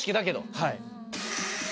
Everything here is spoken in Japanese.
はい。